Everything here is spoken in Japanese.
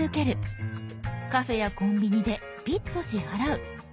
カフェやコンビニでピッと支払う。